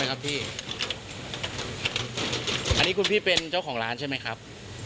อันนี้คุณพี่เป็นเจ้าของร้านใช่ไหมครับ